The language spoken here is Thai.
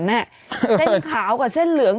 เส้นขาวกว่าเส้นเหลือง